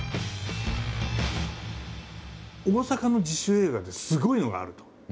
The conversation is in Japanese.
大阪の自主映画ですごいのがあると。